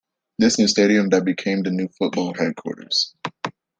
This new stadium that became the new football headquarters.